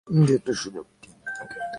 আমাদেরকে এই একটা সুযোগ দিন।